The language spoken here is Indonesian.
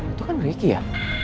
itu kan ricky ya